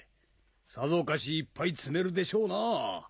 さぞかしいっぱい積めるでしょうな。